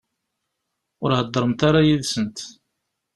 Ur heddṛemt ara yid-sent.